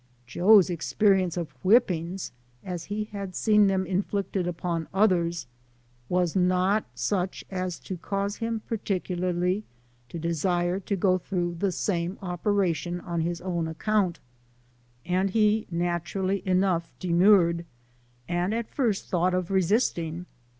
" Joe's experience of whippings, as he had seen them inflicted upon others, was not such as to cause him particularly to desire to go through the same ope ration on his own account ; and he, naturally enough, demurred, and at first thought of resisting.